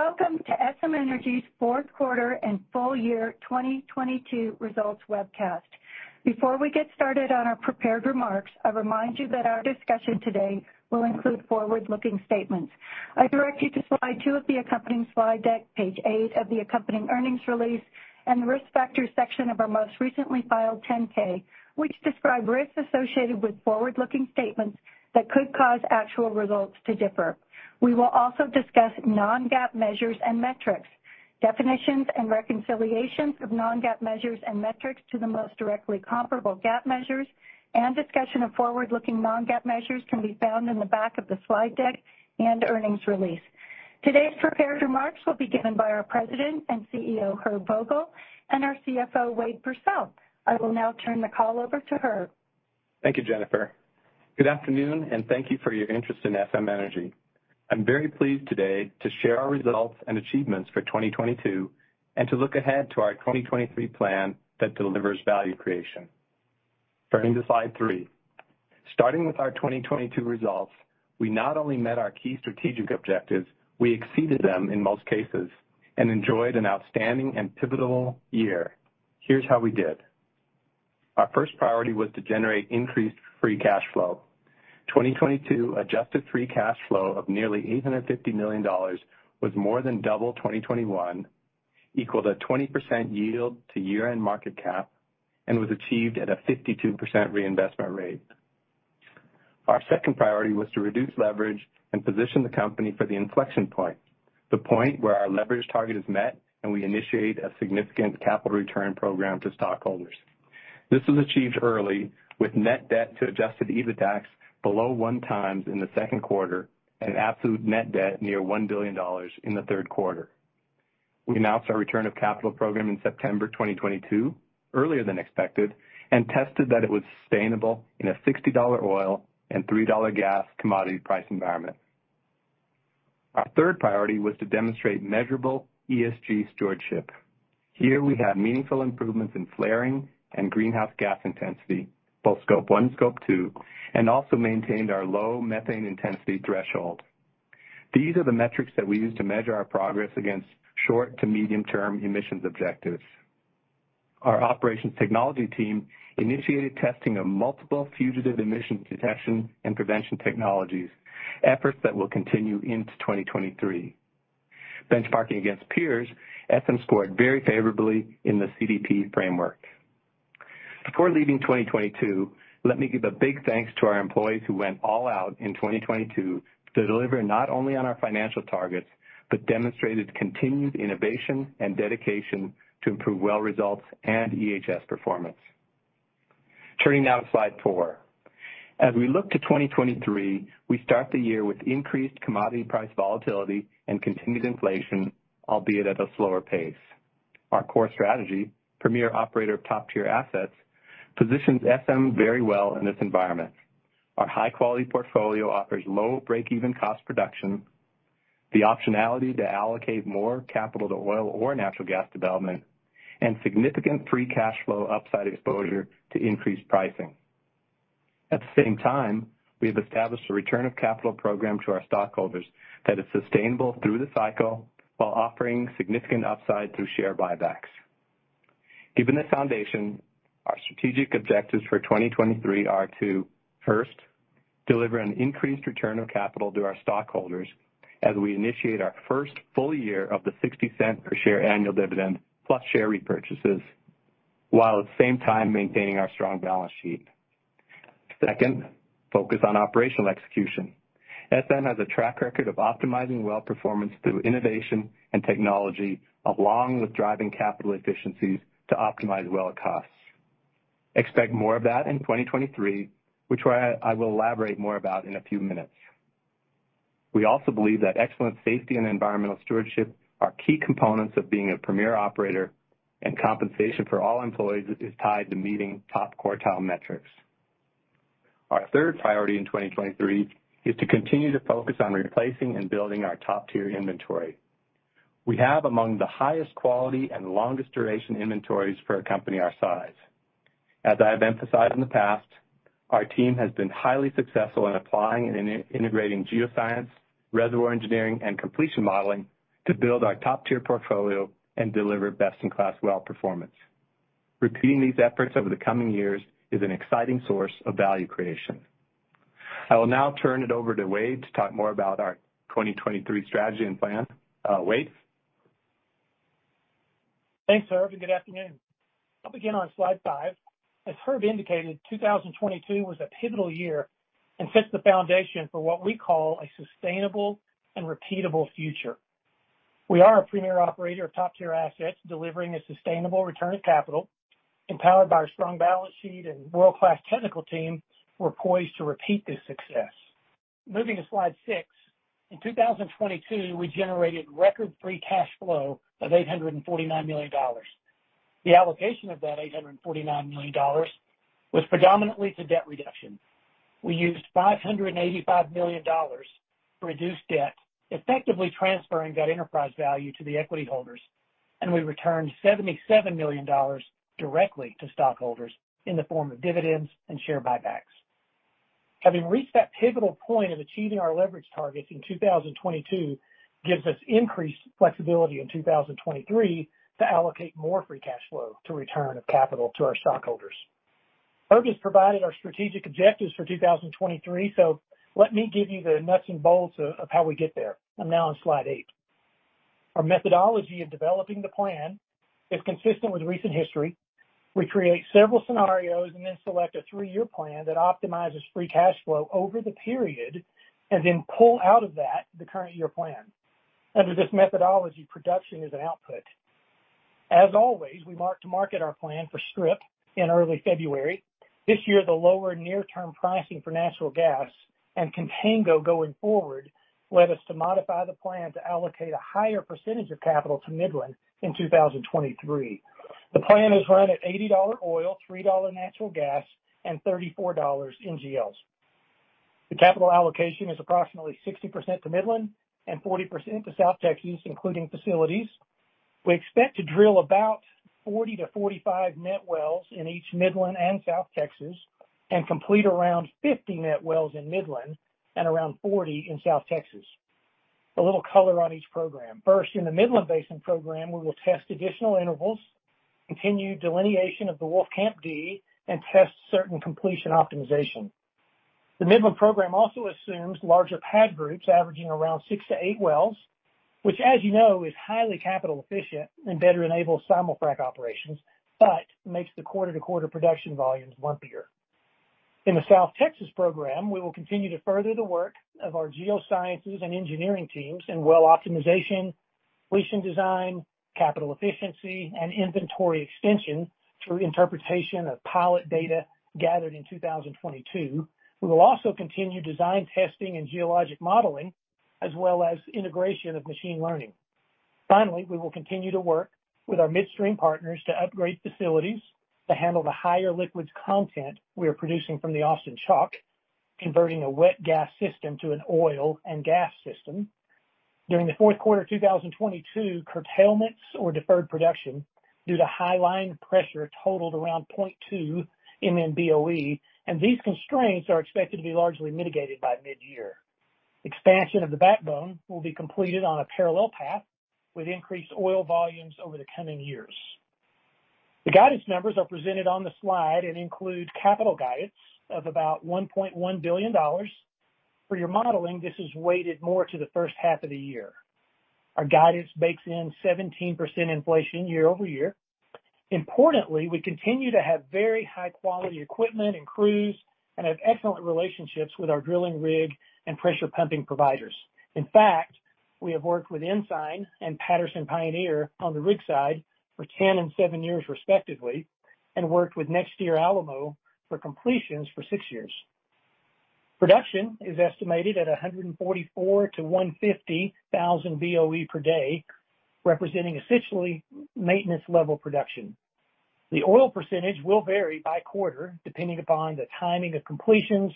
Welcome to SM Energy's Fourth Quarter and Full Year 2022 Results Webcast. Before we get started on our prepared remarks, I remind you that our discussion today will include forward-looking statements. I direct you to slide two of the accompanying slide deck, page eight of the accompanying earnings release, and the Risk Factors section of our most recently filed 10-K, which describe risks associated with forward-looking statements that could cause actual results to differ. We will also discuss non-GAAP measures and metrics. Definitions and reconciliations of non-GAAP measures and metrics to the most directly comparable GAAP measures and discussion of forward-looking non-GAAP measures can be found in the back of the slide deck and earnings release. Today's prepared remarks will be given by our President and CEO, Herb Vogel, and our CFO, Wade Pursell. I will now turn the call over to Herb. Thank you, Jennifer. Good afternoon, and thank you for your interest in SM Energy. I'm very pleased today to share our results and achievements for 2022, and to look ahead to our 2023 plan that delivers value creation. Turning to slide three. Starting with our 2022 results, we not only met our key strategic objectives, we exceeded them in most cases and enjoyed an outstanding and pivotal year. Here's how we did. Our first priority was to generate increased free cash flow. 2022 Adjusted Free Cash Flow of nearly $850 million was more than double 2021, equaled a 20% yield to year-end market cap, and was achieved at a 52% reinvestment rate. Our second priority was to reduce leverage and position the company for the inflection point, the point where our leverage target is met and we initiate a significant capital return program to stockholders. This was achieved early, with net debt to Adjusted EBITDA below 1x in the second quarter and absolute net debt near $1 billion in the third quarter. We announced our return of capital program in September 2022, earlier than expected, and tested that it was sustainable in a $60 oil and $3 gas commodity price environment. Our third priority was to demonstrate measurable ESG stewardship. Here, we had meaningful improvements in flaring and greenhouse gas intensity, both Scope 1 and Scope 2, and also maintained our low methane intensity threshold. These are the metrics that we use to measure our progress against short to medium-term emissions objectives. Our operations technology team initiated testing of multiple fugitive emission detection and prevention technologies, efforts that will continue into 2023. Benchmarking against peers, SM scored very favorably in the CDP framework. Before leaving 2022, let me give a big thanks to our employees who went all out in 2022 to deliver not only on our financial targets, but demonstrated continued innovation and dedication to improve well results and EHS performance. Turning now to slide four. As we look to 2023, we start the year with increased commodity price volatility and continued inflation, albeit at a slower pace. Our core strategy, premier operator of top-tier assets, positions SM very well in this environment. Our high-quality portfolio offers low break-even cost production, the optionality to allocate more capital to oil or natural gas development, and significant free cash flow upside exposure to increased pricing. At the same time, we have established a return of capital program to our stockholders that is sustainable through the cycle, while offering significant upside through share buybacks. Given this foundation, our strategic objectives for 2023 are to, first, deliver an increased return of capital to our stockholders as we initiate our first full year of the $0.60 per share annual dividend, plus share repurchases, while at the same time maintaining our strong balance sheet. Second, focus on operational execution. SM has a track record of optimizing well performance through innovation and technology, along with driving capital efficiencies to optimize well costs. Expect more of that in 2023, which I will elaborate more about in a few minutes. We also believe that excellent safety and environmental stewardship are key components of being a premier operator, and compensation for all employees is tied to meeting top quartile metrics. Our third priority in 2023 is to continue to focus on replacing and building our top-tier inventory. We have among the highest quality and longest duration inventories for a company our size. As I have emphasized in the past, our team has been highly successful in applying and in integrating geoscience, reservoir engineering, and completion modeling to build our top-tier portfolio and deliver best-in-class well performance. Repeating these efforts over the coming years is an exciting source of value creation. I will now turn it over to Wade to talk more about our 2023 strategy and plan. Wade? Thanks, Herb, and good afternoon. I'll begin on slide five. As Herb indicated, 2022 was a pivotal year and sets the foundation for what we call a sustainable and repeatable future. We are a premier operator of top-tier assets, delivering a sustainable return of capital. Empowered by our strong balance sheet and world-class technical team, we're poised to repeat this success. Moving to slide six. In 2022, we generated record free cash flow of $849 million. The allocation of that $849 million was predominantly to debt reduction. We used $585 million to reduce debt, effectively transferring that enterprise value to the equity holders, and we returned $77 million directly to stockholders in the form of dividends and share buybacks. Having reached that pivotal point of achieving our leverage targets in 2022, gives us increased flexibility in 2023 to allocate more free cash flow to return of capital to our stockholders. Herb has provided our strategic objectives for 2023, so let me give you the nuts and bolts of how we get there. I'm now on slide eight. Our methodology of developing the plan is consistent with recent history. We create several scenarios and then select a three-year plan that optimizes free cash flow over the period, and then pull out of that the current year plan. Under this methodology, production is an output. As always, we mark-to-market our plan for strip in early February. This year, the lower near-term pricing for Natural Gas and Contango going forward led us to modify the plan to allocate a higher percentage of capital to Midland in 2023. The plan is run at $80 oil, $3 natural gas, and $34 NGLs. The capital allocation is approximately 60% to Midland and 40% to South Texas, including facilities. We expect to drill about 40-45 net wells in each Midland and South Texas, and complete around 50 net wells in Midland and around 40 in South Texas. A little color on each program. First, in the Midland Basin program, we will test additional intervals, continue delineation of the Wolfcamp D, and test certain completion optimization. The Midland program also assumes larger pad groups averaging around six to eight wells, which, as you know, is highly capital efficient and better enables simul-frac operations, but makes the quarter-to-quarter production volumes lumpier. In the South Texas program, we will continue to further the work of our geosciences and engineering teams in well optimization, completion design, capital efficiency, and inventory extension through interpretation of pilot data gathered in 2022. We will also continue design, testing, and geologic modeling, as well as integration of machine learning. Finally, we will continue to work with our midstream partners to upgrade facilities to handle the higher liquids content we are producing from the Austin Chalk, converting a wet gas system to an oil and gas system. During the fourth quarter 2022, curtailments or deferred production due to high line pressure totaled around 0.2 MMBOE, and these constraints are expected to be largely mitigated by mid-year. Expansion of the backbone will be completed on a parallel path, with increased oil volumes over the coming years. The guidance numbers are presented on the slide and include capital guidance of about $1.1 billion. For your modeling, this is weighted more to the first half of the year. Our guidance bakes in 17% inflation year-over-year. Importantly, we continue to have very high quality equipment and crews, and have excellent relationships with our drilling rig and pressure pumping providers. In fact, we have worked with Ensign and Patterson-Pioneer on the rig side for 10 and 7 years respectively, and worked with NexTier for completions for six years. Production is estimated at 144,000-150,000 BOE per day, representing essentially maintenance level production. The oil percentage will vary by quarter, depending upon the timing of completions,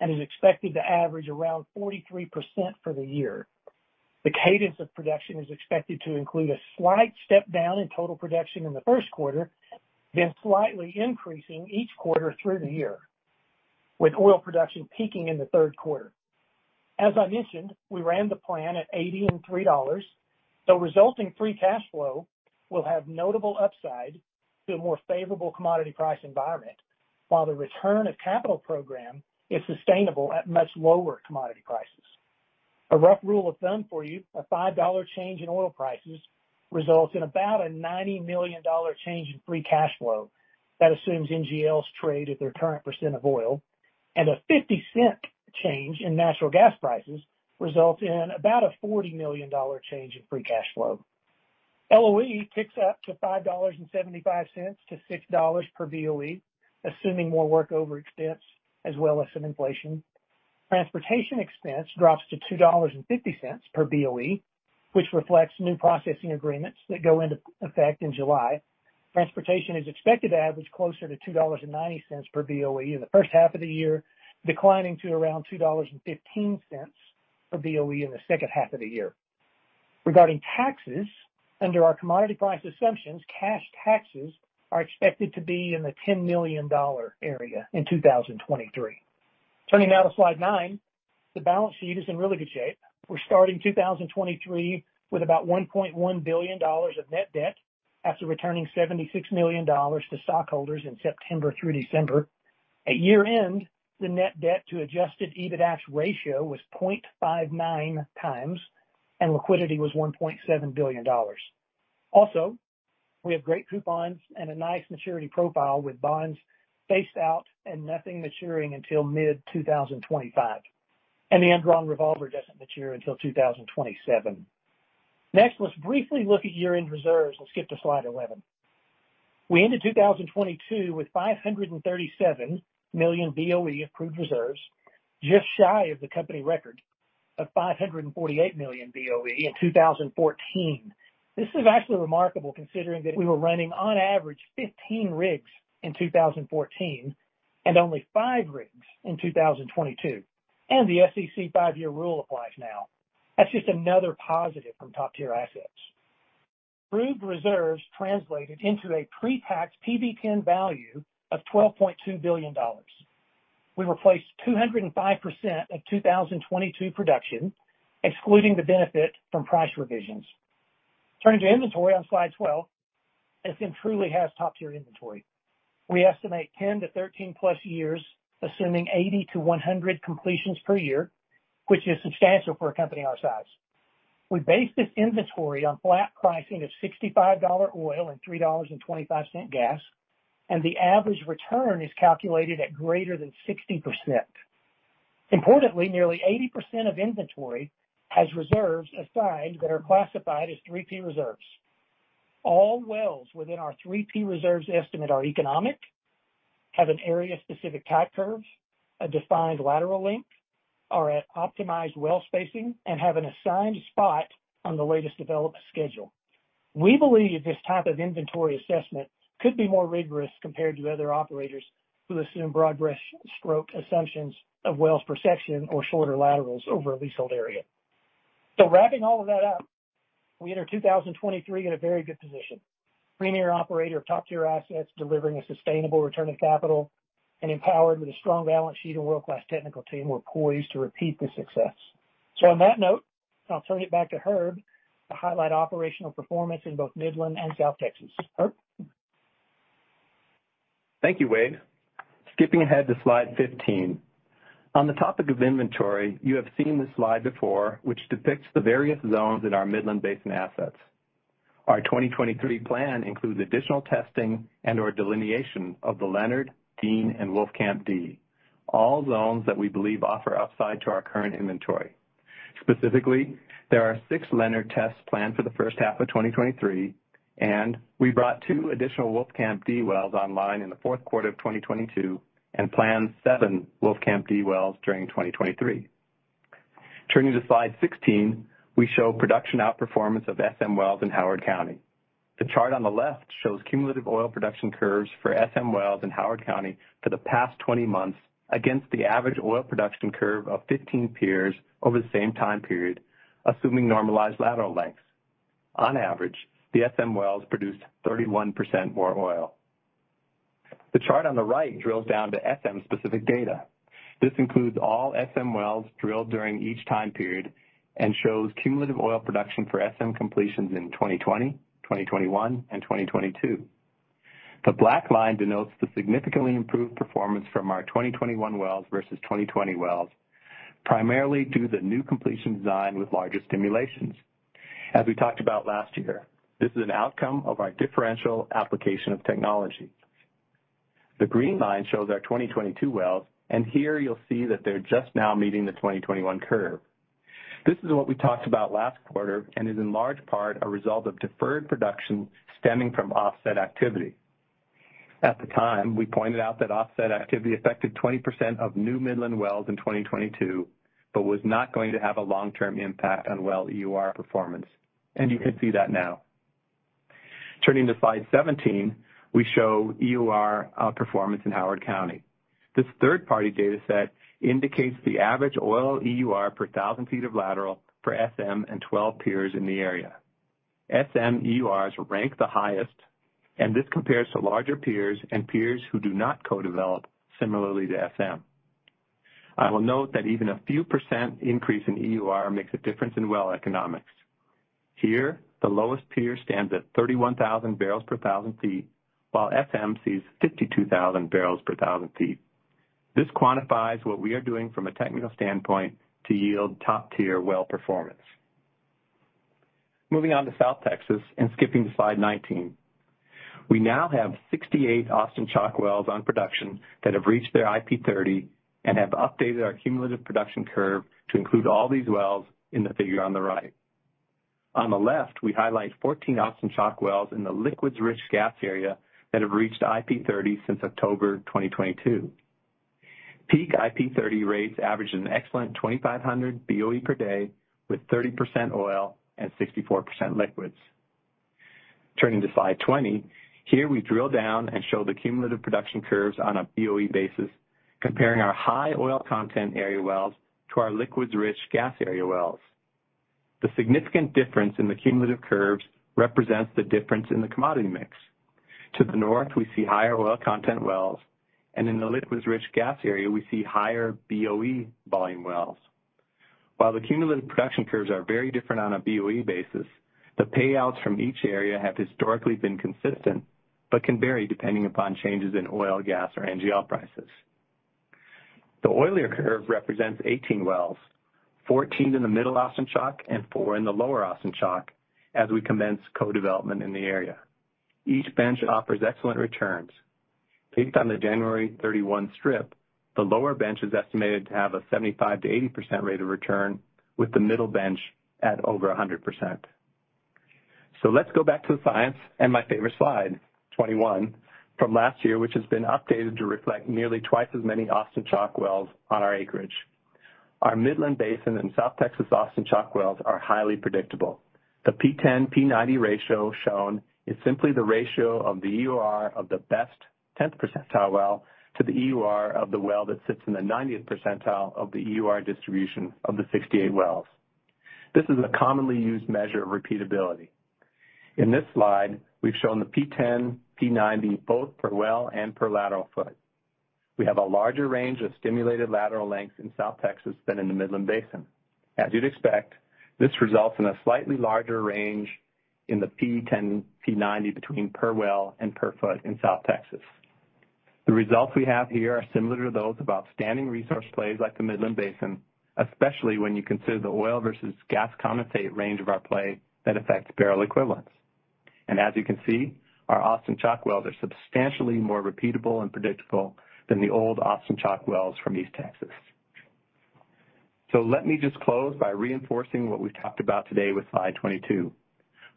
and is expected to average around 43% for the year. The cadence of production is expected to include a slight step down in total production in the first quarter, then slightly increasing each quarter through the year, with oil production peaking in the third quarter. As I mentioned, we ran the plan at $80 and $3. The resulting free cash flow will have notable upside to a more favorable commodity price environment, while the return of capital program is sustainable at much lower commodity prices. A rough rule of thumb for you, a $5 change in oil prices results in about a $90 million change in free cash flow. That assumes NGLs trade at their current % of oil, and a $0.50 change in natural gas prices results in about a $40 million change in free cash flow. LOE ticks up to $5.75-6 per BOE, assuming more workover expense as well as some inflation. Transportation expense drops to $2.50 per BOE, which reflects new processing agreements that go into effect in July. Transportation is expected to average closer to $2.90 per BOE in the first half of the year, declining to around $2.15 per BOE in the second half of the year. Regarding taxes, under our commodity price assumptions, cash taxes are expected to be in the $10 million area in 2023. Turning now to slide nine, the balance sheet is in really good shape. We're starting 2023 with about $1.1 billion of net debt after returning $76 million to stockholders in September through December. At year-end, the net debt to Adjusted EBITDA ratio was 0.59 times, and liquidity was $1.7 billion. Also, we have great coupons and a nice maturity profile, with bonds spaced out and nothing maturing until mid-2025, and the undrawn revolver doesn't mature until 2027. Next, let's briefly look at year-end reserves. Let's skip to slide 11. We ended 2022 with 537 million BOE of proved reserves, just shy of the company record of 548 million BOE in 2014. This is actually remarkable, considering that we were running on average 15 rigs in 2014 and only five rigs in 2022, and the SEC five-year rule applies now. That's just another positive from top-tier assets. Proved reserves translated into a pre-tax PV10 value of $12.2 billion. We replaced 205% of 2022 production, excluding the benefit from price revisions. Turning to inventory on slide 12, SM truly has top-tier inventory. We estimate 10-13+ years, assuming 80-100 completions per year, which is substantial for a company our size. We base this inventory on flat pricing of $65 oil and $3.25 gas, and the average return is calculated at greater than 60%. Importantly, nearly 80% of inventory has reserves assigned that are classified as 3P reserves. All wells within our 3P reserves estimate are economic, have an area-specific type curve, a defined lateral length, are at optimized well spacing, and have an assigned spot on the latest developed schedule. We believe this type of inventory assessment could be more rigorous compared to other operators who assume broad brush stroke assumptions of wells per section or shorter laterals over a leasehold area. So wrapping all of that up, we enter 2023 in a very good position. Premier operator, top-tier assets, delivering a sustainable return of capital, and empowered with a strong balance sheet and world-class technical team, we're poised to repeat the success. So on that note, I'll turn it back to Herb to highlight operational performance in both Midland and South Texas. Herb? Thank you, Wade. Skipping ahead to slide 15. On the topic of inventory, you have seen this slide before, which depicts the various zones in our Midland Basin assets. Our 2023 plan includes additional testing and/or delineation of the Leonard, Dean, and Wolfcamp D, all zones that we believe offer upside to our current inventory. Specifically, there are six Leonard tests planned for the first half of 2023, and we brought two additional Wolfcamp D wells online in the fourth quarter of 2022, and plan seven Wolfcamp D wells during 2023. Turning to slide 16, we show production outperformance of SM wells in Howard County. The chart on the left shows cumulative oil production curves for SM wells in Howard County for the past 20 months against the average oil production curve of 15 peers over the same time period, assuming normalized lateral lengths. On average, the SM wells produced 31% more oil. The chart on the right drills down to SM specific data. This includes all SM wells drilled during each time period and shows cumulative oil production for SM completions in 2020, 2021, and 2022. The black line denotes the significantly improved performance from our 2021 wells versus 2020 wells, primarily due to the new completion design with larger stimulations. As we talked about last year, this is an outcome of our differential application of technology. The green line shows our 2022 wells, and here you'll see that they're just now meeting the 2021 curve. This is what we talked about last quarter and is in large part a result of deferred production stemming from offset activity. At the time, we pointed out that offset activity affected 20% of new Midland wells in 2022, but was not going to have a long-term impact on well EUR performance, and you can see that now. Turning to slide 17, we show EUR performance in Howard County. This third-party dataset indicates the average oil EUR per thousand feet of lateral for SM and 12 peers in the area. SM EURs rank the highest, and this compares to larger peers and peers who do not co-develop similarly to SM. I will note that even a few percent increase in EUR makes a difference in well economics. Here, the lowest peer stands at 31,000 barrels per thousand feet, while SM sees 52,000 barrels per thousand feet. This quantifies what we are doing from a technical standpoint to yield top-tier well performance. Moving on to South Texas and skipping to slide 19. We now have 68 Austin Chalk wells on production that have reached their IP30 and have updated our cumulative production curve to include all these wells in the figure on the right. On the left, we highlight 14 Austin Chalk wells in the liquids-rich gas area that have reached IP30 since October 2022. Peak IP30 rates average an excellent 2,500 BOE per day, with 30% oil and 64% liquids. Turning to slide 20, here we drill down and show the cumulative production curves on a BOE basis, comparing our high oil content area wells to our liquids-rich gas area wells. The significant difference in the cumulative curves represents the difference in the commodity mix. To the north, we see higher oil content wells, and in the liquids-rich gas area, we see higher BOE volume wells. While the cumulative production curves are very different on a BOE basis, the payouts from each area have historically been consistent, but can vary depending upon changes in oil, gas, or NGL prices. The oilier curve represents 18 wells, 14 in the middle Austin Chalk and four in the lower Austin Chalk, as we commence co-development in the area. Each bench offers excellent returns. Based on the January 31 strip, the lower bench is estimated to have a 75%-80% rate of return, with the middle bench at over 100%. So let's go back to the science and my favorite slide, 21, from last year, which has been updated to reflect nearly twice as many Austin Chalk wells on our acreage. Our Midland Basin and South Texas Austin Chalk wells are highly predictable. The P10/P90 ratio shown is simply the ratio of the EUR of the best tenth percentile well to the EUR of the well that sits in the ninetieth percentile of the EUR distribution of the 68 wells. This is a commonly used measure of repeatability. In this slide, we've shown the P10/P90, both per well and per lateral foot. We have a larger range of stimulated lateral lengths in South Texas than in the Midland Basin. As you'd expect, this results in a slightly larger range in the P10/P90 between per well and per foot in South Texas. The results we have here are similar to those of outstanding resource plays like the Midland Basin, especially when you consider the oil versus gas condensate range of our play that affects barrel equivalents. As you can see, our Austin Chalk wells are substantially more repeatable and predictable than the old Austin Chalk wells from East Texas. Let me just close by reinforcing what we've talked about today with slide 22.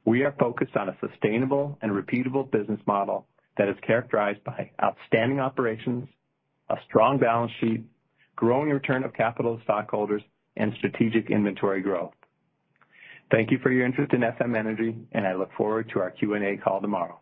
We are focused on a sustainable and repeatable business model that is characterized by outstanding operations, a strong balance sheet, growing return of capital to stockholders, and strategic inventory growth. Thank you for your interest in SM Energy, and I look forward to our Q&A call tomorrow.